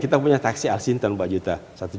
kita punya taksi al sintan pak juta